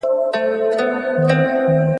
چي ګوندي ستا په نه راختلو ,